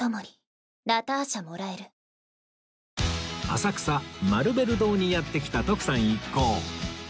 浅草マルベル堂にやって来た徳さん一行